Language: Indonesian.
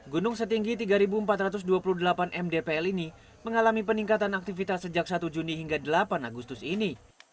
gunung setinggi tiga empat ratus dua puluh delapan mdpl ini mengalami peningkatan aktivitas sejak satu juni hingga delapan agustus ini